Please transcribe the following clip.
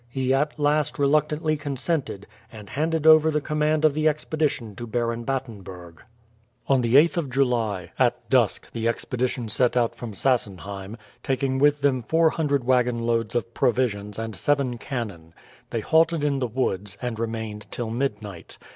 He at last reluctantly consented, and handed over the command of the expedition to Baron Batenburg. On the 8th of July at dusk the expedition set out from Sassenheim, taking with them four hundred wagon loads of provisions and seven cannon. They halted in the woods, and remained till midnight.